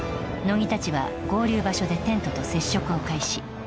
木たちは合流場所でテントと接触を開始